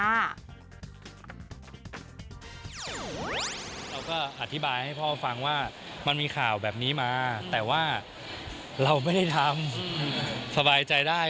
เราก็อธิบายให้พ่อฟังว่ามันมีข่าวแบบนี้มาแต่ว่าเราไม่ได้ทำสบายใจได้